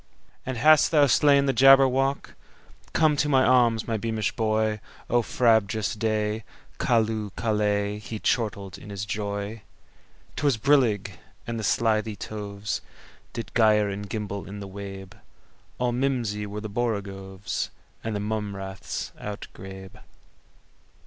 "And hast thou slain the Jabberwock? Come to my arms, my beamish boy!O frabjous day! Callooh! Callay!"He chortled in his joy.'T was brillig, and the slithy tovesDid gyre and gimble in the wabe; All mimsy were the borogoves, And the mome raths outgrabe.